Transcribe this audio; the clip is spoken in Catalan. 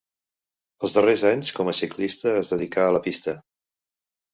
Els darrers anys com a ciclista es dedicà a la pista.